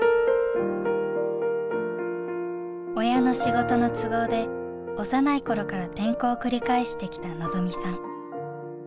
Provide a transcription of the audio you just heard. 親の仕事の都合で幼い頃から転校を繰り返してきた望未さん。